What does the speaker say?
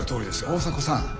大迫さん。